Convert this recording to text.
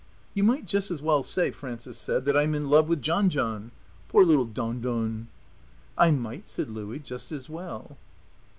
"You might just as well say," Frances said, "that I'm in love with John John. Poor little Don Don!" "I might," said Louie, "just as well."